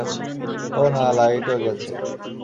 ওহ, না, লাইট ও গেছে?